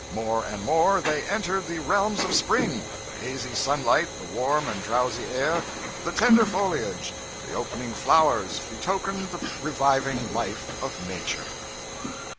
More and more they entered the realms of spring. The hazy sunlight, the warm and drowsy air, the tender foliage, the opening flowers, betokened the reviving life of nature.'